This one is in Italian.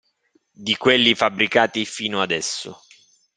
Di quelli fabbricati fino adesso.